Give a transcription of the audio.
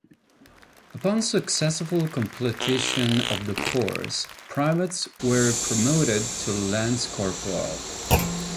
Upon successful completion of the course, Privates were promoted to Lance Corporal.